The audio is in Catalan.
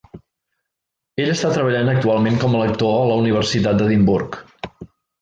Ell està treballant actualment com lector a la Universitat d'Edimburg.